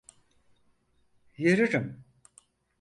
Yürürüm.